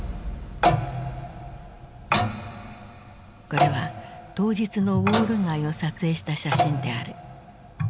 これは当日のウォール街を撮影した写真である。